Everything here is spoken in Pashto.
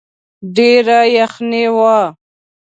ډېره يخني وه.